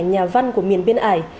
nhà văn của miền tây